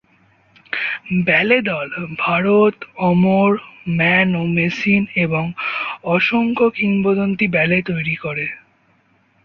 ব্যালে দল "ভারত", "অমর", "ম্যান ও মেশিন" এবং অসংখ্য কিংবদন্তী ব্যালে তৈরী করে।